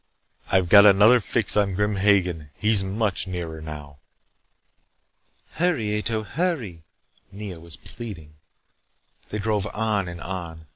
"I've got another fix on Grim Hagen. He's much nearer now." "Hurry, Ato. Hurry," Nea was pleading. They drove on and on.